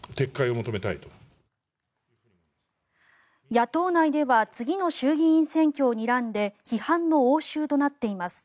野党内では次の衆議院選挙をにらんで批判の応酬となっています。